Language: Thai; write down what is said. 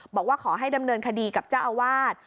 บอกว่าขอให้ดำเนินคดีกับเจ้าอาวาส